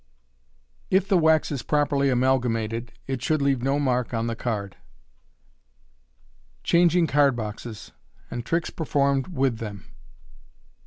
If the wax is properly amalgamated, it should leave no mark on the card. Fig. 49. Changing Card boxes, and Tricks performed with them.